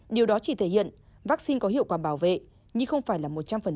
điều đó chỉ thể hiện vaccine có hiệu quả bảo vệ nhưng không phải là một trăm linh